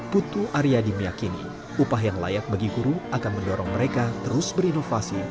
putu aryadi meyakini upah yang layak bagi guru akan mendorong mereka terus berinovasi